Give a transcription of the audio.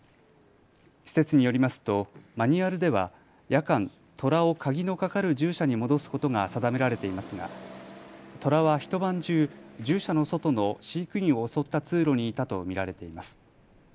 施設によりますとマニュアルでは夜間、トラを鍵のかかる獣舎に戻すことが定められていますがトラは一晩中、獣舎の外の飼育員を襲った通路にいたと見られています。